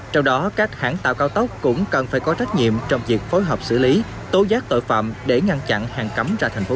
trong đó các hãng tàu cao tốc cũng cần phải có trách nhiệm trong việc phối hợp xử lý tố giác tội phạm để ngăn chặn hàng lậu